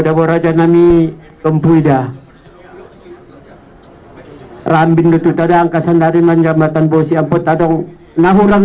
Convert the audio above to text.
dauraja nami tempuy da rambing tutada angkasa dari menjambatan bosnya potadong nahurang